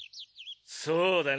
そうだな。